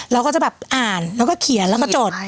เราก็จะแบบอ่านแล้วก็เขียนแล้วก็จด